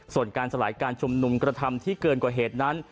ส่วนการสลายการชุมนุมกระทำที่เกินกว่าเหตุนั้น